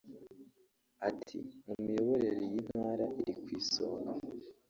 Ati “Mu miyoborere iyi ntara iri ku isonga